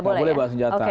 nggak boleh buat senjata